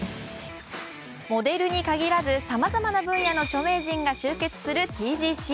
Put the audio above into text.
モデルに限らずさまざまな分野の著名人が集結するＴＧＣ。